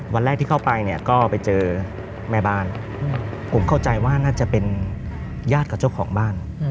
วันแรกที่เข้าไปเนี่ยก็ไปเจอแม่บ้านผมเข้าใจว่าน่าจะเป็นญาติกับเจ้าของบ้าน